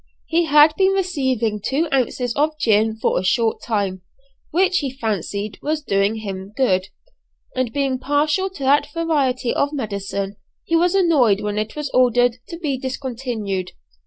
He had been receiving two ounces of gin for a short time, which he fancied was doing him good, and being partial to that variety of medicine, he was annoyed when it was ordered to be discontinued.